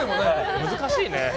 難しいね。